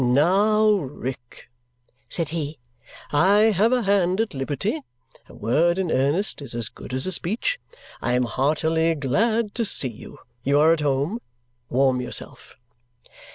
"Now, Rick!" said he. "I have a hand at liberty. A word in earnest is as good as a speech. I am heartily glad to see you. You are at home. Warm yourself!"